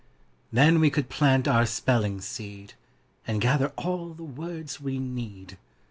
Then we could plant our spelling seed, And gather all the words we need.